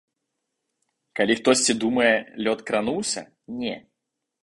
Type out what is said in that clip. Калі хтосьці думае, лёд крануўся, не.